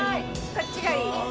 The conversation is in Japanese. こっちがいい。